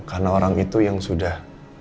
karena orang itu yang sudah